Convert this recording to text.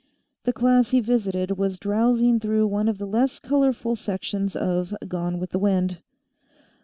The class he visited was drowsing through one of the less colorful sections of "Gone With The Wind."